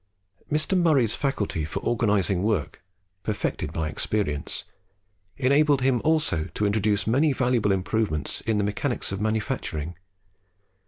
Mr. Murray's faculty for organising work, perfected by experience, enabled him also to introduce many valuable improvements in the mechanics of manufacturing.